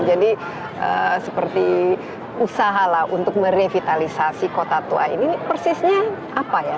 jadi seperti usaha untuk merevitalisasi kota tua ini persisnya apa ya